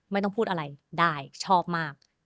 ไม่ต้องพูดอะไรได้ชอบมาก